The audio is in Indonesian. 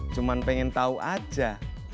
cuman pengen tau aja